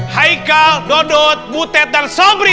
haikal dodot butet dan sobri